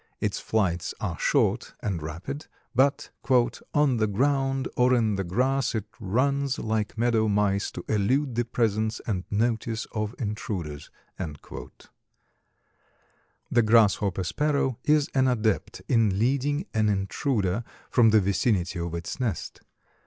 Its flights are short and rapid, but "on the ground or in the grass it runs like meadow mice to elude the presence and notice of intruders." The Grasshopper Sparrow is an adept in leading an intruder from the vicinity of its nest.